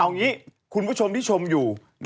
เอางี้คุณผู้ชมที่ชมอยู่